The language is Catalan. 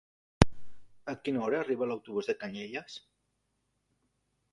A quina hora arriba l'autobús de Canyelles?